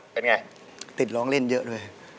เป็นไงติดร้องเล่นเยอะเลย